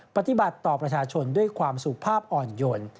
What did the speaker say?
ปฏิบัติต่อประชาชนด้วยความสุขภาพอ่อนโยน